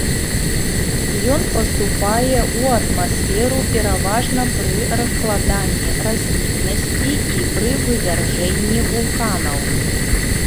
Ён паступае ў атмасферу пераважна пры раскладанні расліннасці і пры вывяржэнні вулканаў.